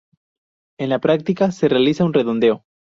En la práctica se realiza un redondeo.